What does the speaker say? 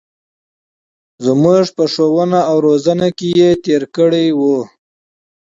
زمـوږ په ښـوونه او روزنـه کـې تېـر کـړى و.